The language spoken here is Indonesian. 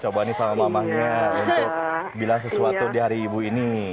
coba nih sama mamanya untuk bilang sesuatu di hari ibu ini